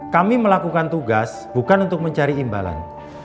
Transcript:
kami melakukan tugas bukan untuk mencari imbalan